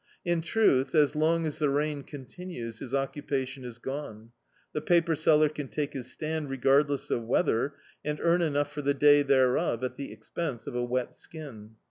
In truth, as long as the rain con tinues his occupation is gone. The paper seller can take his stand regardless of weather, and earn enough for the day thereof, at the expense of a wet skin.